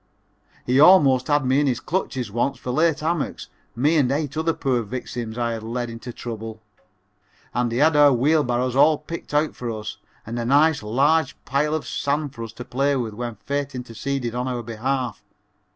He almost had me in his clutches once for late hammocks, me and eight other poor victims I had led into the trouble, and he had our wheelbarrows all picked out for us, and a nice large pile of sand for us to play with when fate interceded in our behalf.